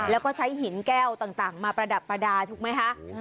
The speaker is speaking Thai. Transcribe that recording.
แล้วก็ใช้หินแก้วต่างมาประดับประดาษถูกไหมคะ